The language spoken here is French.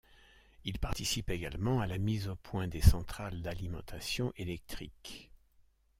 Il participe également à la mise au point des centrales d'alimentation électrique.